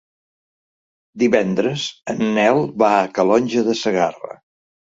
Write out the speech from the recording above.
Divendres en Nel va a Calonge de Segarra.